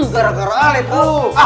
gara gara ale tahu